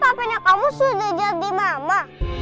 sampainya kamu sudah jadi mama